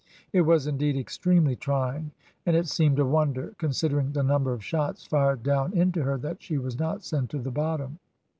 It was, indeed, extremely trying, and it seemed a wonder, considering the number of shots fired down into her, that she was not sent to the bottom.